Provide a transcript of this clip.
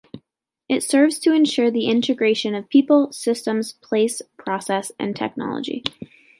It serves to ensure the integration of people, systems, place, process, and technology.